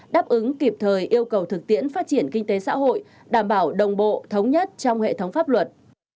đề xã hội đảm bảo đồng bộ thống nhất trong hệ thống pháp luật